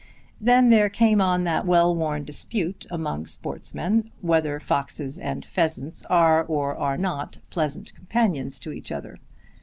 Then there came on that well worn dispute among sportsmen, whether foxes and pheasants are or are not pleasant companions to each other.